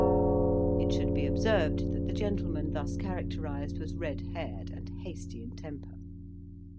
It should be observed that the gentleman thus characterized was red haired, and hasty in temper.